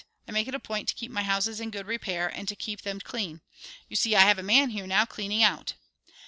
I make it a point to keep my houses in good repair and to keep them clean. You see, I have a man here now cleaning out."